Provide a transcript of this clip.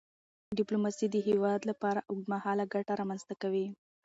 ډیپلوماسي د هیواد لپاره اوږدمهاله ګټه رامنځته کوي.